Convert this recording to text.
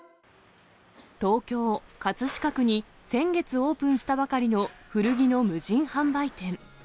東京・葛飾区に先月オープンしたばかりの古着の無人販売店。